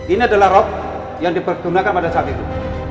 ini adalah rob yang dipergunakan pada saat itu